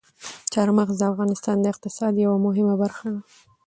چار مغز د افغانستان د اقتصاد یوه مهمه برخه ده.